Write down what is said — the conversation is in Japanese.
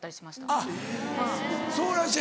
あっそうらしい。